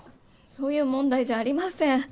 そういう問題じゃありません。